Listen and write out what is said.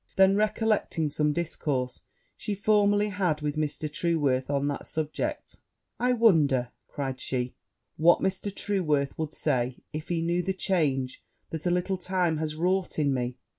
Then recollecting some discourse she formerly had with Mr. Trueworth on that subject, 'I wonder,' cried she, 'what Mr. Trueworth would say if he knew the change that a little time has wrought in me!